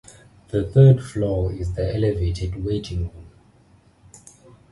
The third floor is the elevated waiting hall.